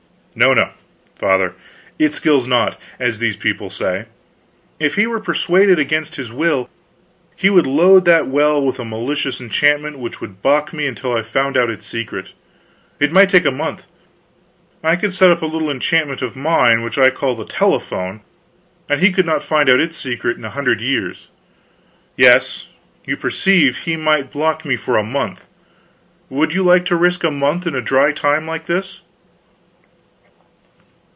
"No no, Father, it skills not, as these people say. If he were persuaded against his will, he would load that well with a malicious enchantment which would balk me until I found out its secret. It might take a month. I could set up a little enchantment of mine which I call the telephone, and he could not find out its secret in a hundred years. Yes, you perceive, he might block me for a month. Would you like to risk a month in a dry time like this?"